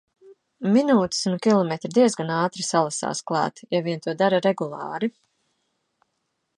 Minūtes un km diezgan ātri salasās klāt, ja vien to dara regulāri.